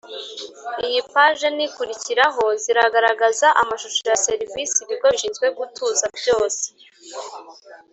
Iyi paje n ikurikiraho ziragaragaza amashusho ya za serivise ibigo bishinzwe gutuza byose